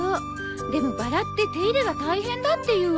でもバラって手入れが大変だっていうわよ。